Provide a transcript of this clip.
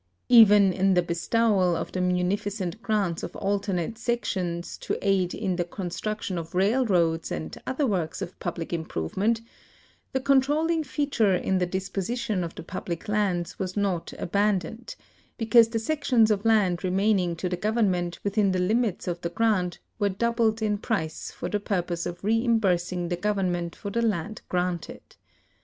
Even in the bestowal of the munificent grants of alternate sections to aid in the construc tion of railroads and other works of public improvement, the THE UTILIZATION OF THE YACAXT PUBLIC LANDS 51 controlling feature in the disposition of the i)ul)lie lands was not ahandoned, because the sections of land remaining to the gov ernment within the limits of the grant were douhled in jjriccfor the purpose of reimbursing the government for the land granted.